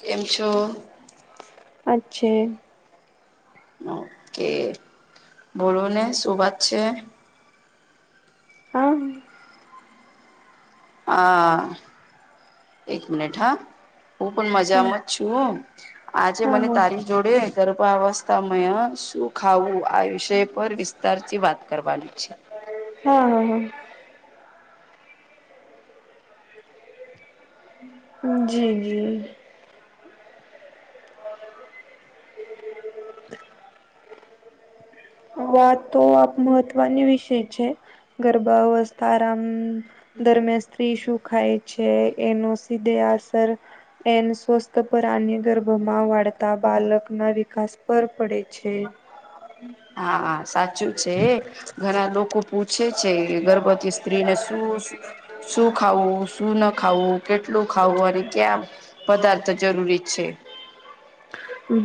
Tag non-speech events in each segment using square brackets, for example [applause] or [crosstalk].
કેમ છો અચ્છા. ઓકે, બોલો ને શું વાત છે? હા, એક મિનિટ હા, હું પણ મજામાં જ છું. આજે મને તારી જોડે ગરભાવસ્થામાં શું ખાવું આ વિષય પર વિ સ્તારથી વાત કરવાની છે. હા, હા. જી. આ વાત તો આપણી મહત્વની વિષય છે, ગરબાાવસ્થા આરામ દરમિયાન સ્ત્રી શું ખાય છે એનો સીધે અસર. એન સ્વસ્થ પર અને ગર્ભમાં પળતા બાળકના વિકાસ પર પડે છે. હા, હા સાચું છે. ઘણા લોકો પૂછે છે, કે ગર્ભવતી સ્ત્રીને શું શું ખાવું શું ના ખાવું કેટલું ખાવું અને ક્યાં પદાર્થ જરૂરી છે?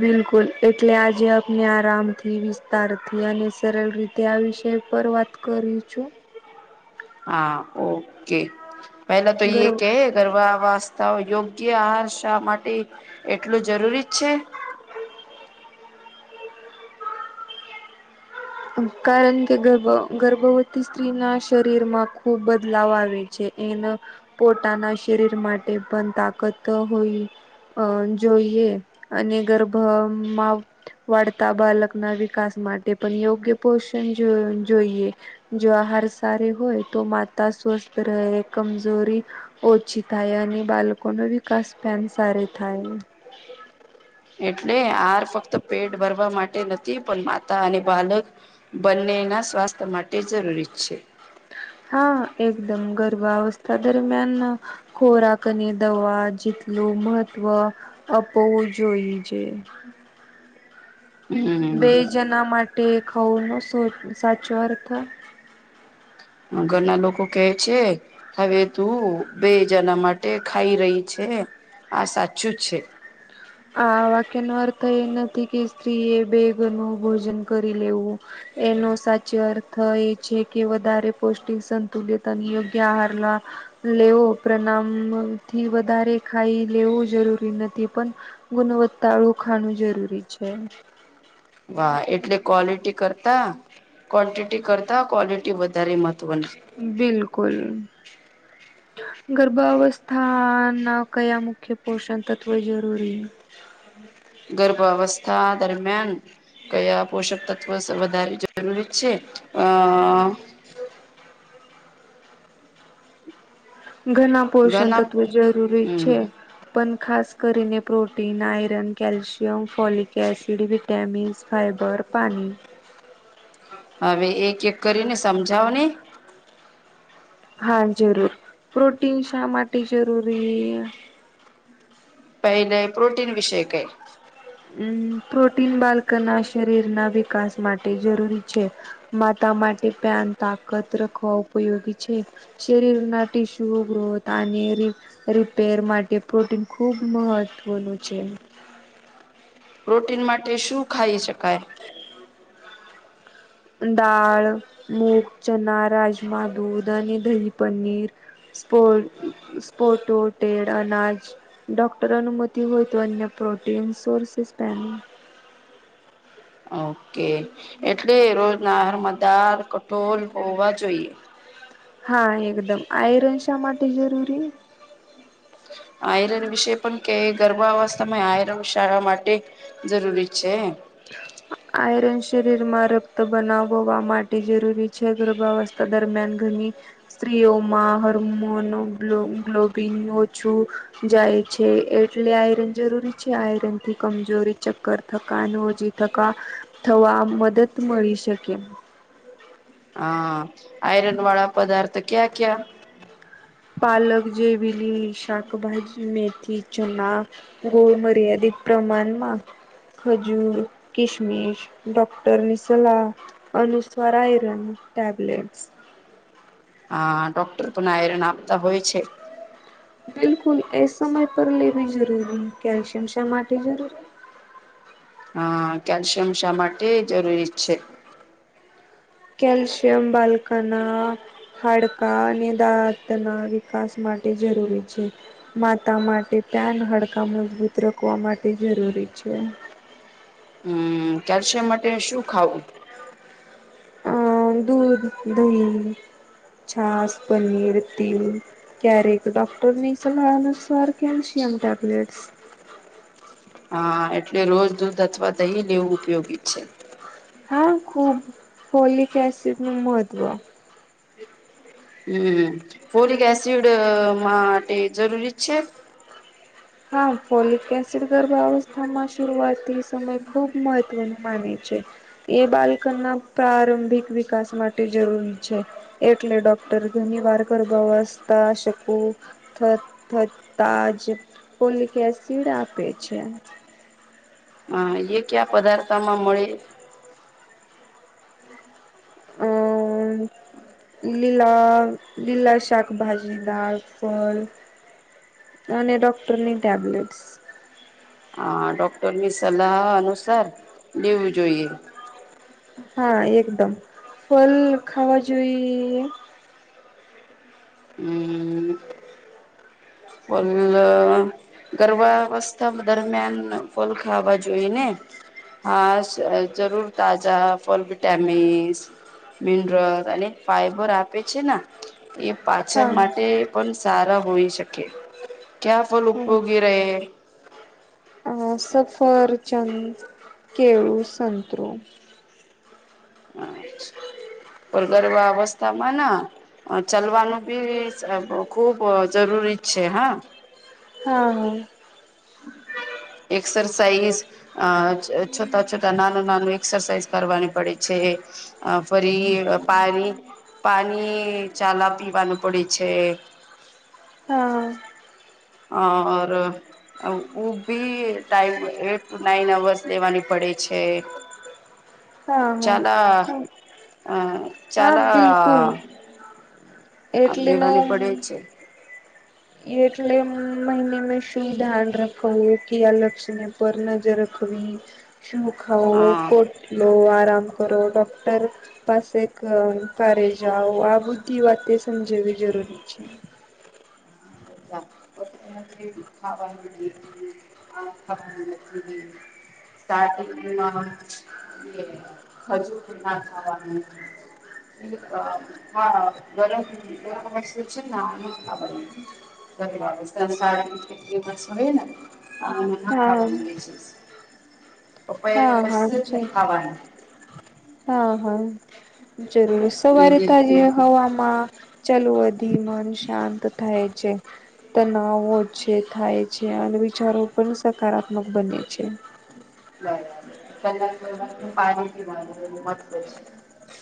બિલકુલ એટલે આજે આપણે આરામથી વિસ્તારથી અને સરળ રીતે તે વિષય પર વાત કરી છું. હા ઓકે, પેલા તો એ ગર્ભ કે ગર્ભાવસ્થામાં યોગ્ય આહાર શા માટે, એટલું જરૂરી છે? કારણ કે ગર્ભ ગર્ભવતી સ્ત્રીના શરીરમાં ખૂબ બદલાવ આવે. એના પોતાના શરીર માટે પણ તાકત હોય. જોઈએ, અને ગર્ભમાં પળતા બાળકના વિકાસ માટે પણ યોગ્ય પોષણ જોઈએ. જોહાર સારી હોય તો માતા સ્વસ્થ રહે કમજોરી ઓછી થાય અને બાળકોનો વિકાસ પણ સારો થાય. એટલે આ ફક્ત પેટ ભરવા માટે નથી પણ માતા અને બાળક. બંનેના સ્વાસ્થ્ય માટે જરૂરી છે. હા, એકદમ ગર્ભવસ્થા દરમિયાન ખોરાક ને દવા જટલું મહત્વ આપવું જોઈએ છે. બે હમ જના માટે ખાવાનો સાચો અર્થ ઘરના લોકો કહે છે. હવે તું બે જણા માટે ખાઈ રહી છે, આ સાચું જ છે. આ વાક્યનો અર્થ એ નથી કે સ્ત્રી એ બે ઘરનું ભોજન કરી લેવું. એનો સાચો અર્થ એ છે કે વધારે પૌષ્ટિક સંતુલિત અને યોગ્ય આહાર લ લેવો પ્રમાણથી વધારે ખાઈ લેવું જરૂરી નથી, પણ ગુણવત્તાળું ખાવાનું જરૂરી છે. વાહ, એટલે ક્વોલિટી કરતા ક્વન્ટિટી કરતા ક્વોલિટી વધારે મહત્વની છે. બિલકુલ. ગર્ભાવસ્થાના કયા મુખ્ય પોષણ તત્વ જરૂરી છે? ગર્ભાવસ્થા દરમિયાન કયા પોષક તત્વ વધારે જરૂરી છે. [unintelligible] ઘણા પોષણ ઘના તત્વો જરૂરી હમ છે. પણ ખાસ કરીને protein, iron, calcium, folic acid. ટેમીઝ, ફાઈબર, પાણી. હવે એક-એક કરીને સમજાવો ને? હા, જરૂર પ્રોટીન શા માટે જરૂરી? પહેલા પ્રોટીન વિષય કઈ પ્રોટીન બાળકના શરીરના વિકાસ માટે જરૂરી છે. માતા માટે પ્યાન તાકત રાખવા ઉપયોગી છે. શરીરના ટિશ્યુ ગ્રત અને રિપેર માટે પ્રોટીન ખુબ મહત્વનું છે. પ્રોટીન માટે શું ખાઈ શકાય? હ. દાળ, મૂગ, ચના, રાજમા, દૂધ અને દહી, પનીર. ો સ્પોટો ેડ અનાજ [unintelligible] ડોક્ટર અનુમતિ હોય તો, અન્ય પ્રોટીન સોર્સ પહે. ઓકે, એટલે રોજ નારમદાર કઠોળ હોવા જોઈએ. હા, એકદમ આયરન શા માટે જરૂરી. આયરન વિશે પણ કે, ગર્ભા અવસ્થામાં આયરન શાળા માટે. જરૂરી છે. હ. આયરન શરીરમાં રક્ત બનાવવા માટે જરૂરી છે, ગર્ભાવસ્થા દરમિયાન ઘણી સ્ત્રીઓમાં હર્મોનો, ગ્લોબિન ઓછું. જાય છે, એટલે આયરન જરૂરી છે, આયરન થી કમજોરી ચક્કર થકાનું. ટકા થવા મદદ મળી શકે. હા, આયરન વાળા પદાર્થ ક્યા ક્યા? પલક જેવી, શાકભાજી, મેથી, ચના. ગોળ મર્યાદિત પ્રમાણમાં. ખજૂર, કિશમિશ, ડોક્ટરનીસલા. અનુસ્વાર એઇરોન, ટેબલેટ. હ, ડોક્ટર પણ એરન આપતા હોય છે. બિલકુલ, એ સમય પર લેવી જરૂરી, કેલ્શિયમ શા માટે જરૂરી? હા, કેલ્શિયમ શા માટે જરૂરી છે? કેલ્શિયમ બાલકના. હાડકા અને દાંત ના વિકાસ માટે જરૂરી છે. માતા માટે પ્યાન હડકાં મજબૂત રાખવા માટે જરૂરી છે. હમ, કેલ્શિયમ માટે શું ખાવું? અ દૂધ, દહી, છાસ, પનીર, તેલ. ક્યારેક ડોક્ટર ની સલાહનુસાર કેલ્શિયમ, ટેબલેટસ. હા, એટલે રોજ દૂધ અથવા દહીં ને, એવું ઉપયોગી છે. હા, ખૂબ હોલી કેસિપ મહત્ત્વ. હમ, ફોરિક એસિડ માટે જરૂરી જ છે. હા ફોલિક કેન્સિલ ગર્ભવસ્થામાં શરૂઆતી સમય ખૂબ મ માને છે એ બાળક ના પ્રારંભિક વિકાસ માટે જરૂરી છે એટલે ડોક્ટર ઘની વાર ગર્ભાવસ્થા શકું થત થતા જ પોલિક એસિડ આપે છે હા એ ક્યા પદાર્થમાં મળે હમ હમ લીલા લીલા શાકભાજી દાળ ફળ અને ડોક્ટરની ટેબ્લેટ્સ હા ડોક્ટર ની સલાહ અનુસાર લેવું જોઈએ હા એકદમ ફલ ખાવા જોઈ હમ ફળ ગર્ભાવસ્થા દરમિયાન ફલ ખાવા જોઈ ને હા જરૂર તાજા ફલ વિટામિસ મિનરલ અને ફાઈબર આપે છે ને એ પાચન હા માટે પણ સારા હોઈ શકે ક્યા ફલ હા ઉપયોગી રહે અ સફર ચંદ કેળું સંતરૂ પણ ગર્ભા અવસ્થામાં ના ચલવાનું બી ખુબ જરૂરી છે હા હા હા એક્સરસાઇઝ અ છોટા છોટા નાનું નાનું એક્સરસાાઈઝ કરવાની પડે છે અ ફરી પાણી પાણી ચાલા પીવાનું પડે છે હા ઓર ઊભી ટાઈમ એટ નાઈન અવર્સ લેવાની પડે છે હા હા ચાલા અ હ હા બિલકુલ ચાલા એટલી ન લેવાની પડે છે એટલે મહિને મે શું ધ્યાન રાખવું કે આ લપ્સને ઉપર નજર રાખવી શું ખાઓ હા ખટલો આરામ ઓરો ડૉક્ટર પાસે કારે જાઓ આ બધી વાતે સમજવી જરૂરી છે [inaudible] [inaudible] [inaudible] ના ખજૂર ના ખાવાનું એક અ ગરમ [unintelligible] હા [inaudible] હા પપૈયા તો હા કશું જ છે નહીં ખાવાનું હા હા જરૂર સવારે એ તાજી હવામાં ચલવાથી મન શાંત થાય છે તનાવો છે થાય છે અને વિચારો પણ સકારાત્મક બને છે કલર વલર નું પાણી પીવાનું મહત્વ છે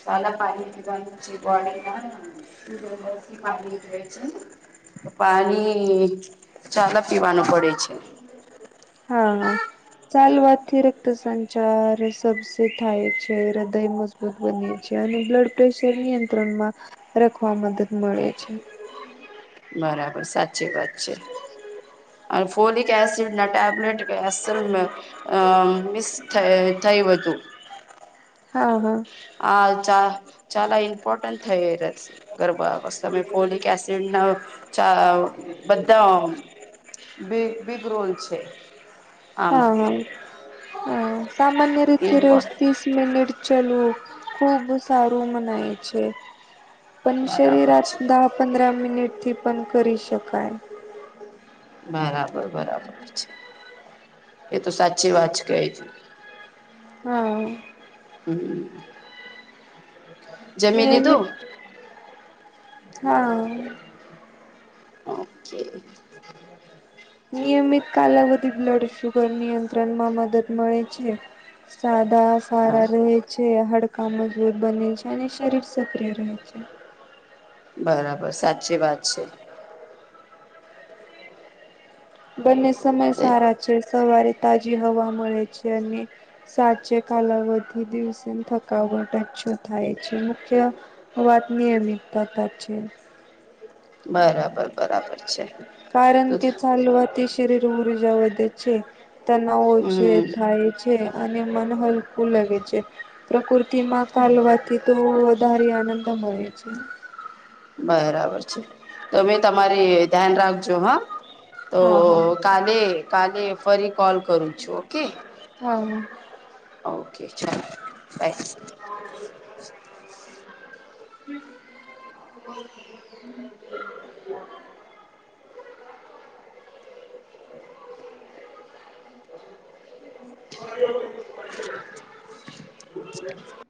તાલ પાણી બંધુ બડ ના [unintelligible] થી પા જોય છે [unintelligible] પાણી જ્યાદા પીવાનું પડે છે. હા, હા. ચાલવાથી રક્ત સંચાર સબ થાય છે, હૃદય બને છે, અને બ્લડ પ્રેશર નિયંત્રણમાં રાખવા મદદ મળે છે. બરાબર, સાચી વાત છે. અને ફોલિક એસિડ ના, ટેબલેટ કે, અસલ મિક્સ થયો હતો. હા, હા. હા, ચાલ, જ્યાદા ઈમ્પોટન થયું. ગરબા બસ, તમે ફોલિક એસિડ ના ચા બધા. બિગ રોલ છે. આમાં હા, હા, હા, સામાન્ય રીત એ રે પડે વસ્તી. મિનિટ ચલું, ખુબ સારું મનાય છે. પણ બરાબર છે શરીરતા પંદર મિનિટથી પણ કરી શકાય. બરાબર, બરાબર છે. એ તો સાચી વાત કે છે. હમ. હમ. જમી નિયમિત લીધું. હા. ઓકે. હ. નિયમિત કાલાવધિ બ્લડ શુગર નિયંત્રણમાં મદદ મળે છે. સાદા હા સારા રહે છે, હડકા મજબૂત બને છે, અને શરીર સક્રિય રહે છે. બરાબર, સાચી વાત છે. બંને સમય એ સારા છે, સવારે તાજી હવા મળે છે, અને સાચે કાલાવધિ દિવસે થકાવટછો થાય છે, મુખ્ય વ વાતની અમિક ત પત છે [unintelligible] બરાબર. બરાબર છે કારણ તો કે ચાલવાથી શરીર ઉર્જા વધે છે. તનાવો જે હમ થાય છે, અને મન હલકું લાગે છે. પ્રકૃતિમાં કાલવાથી થોડો વધારે આનંદ મળે છે. બરાબર છે, તો મેં તમારી ધ્યાન રાખજો. હા, તો હા હા. કાલે, કાલે, ફરી કોલ કરું છું, ઓકે. હમ. ઓકે, ચાલો, બાય. હ. હમ. હમ. હા. બ [unintelligible]